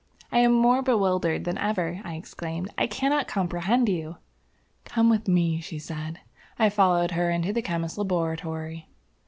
"I am more bewildered than ever," I exclaimed. "I cannot comprehend you." "Come with me," she said. I followed her into the Chemist's Laboratory.